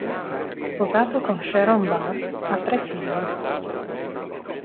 Sposato con Sharon Burr, ha tre figli.